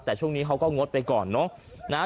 แต่ช่วงนี้เขาก็งดไปก่อนเนอะ